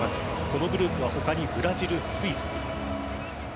このグループは他にブラジル、スイス。